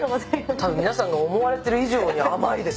たぶん皆さんが思われてる以上に甘いです。